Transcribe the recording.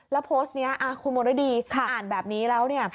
แล้วโพสต์นี้คุณมรดีอ่านแบบนี้แล้วเนี่ย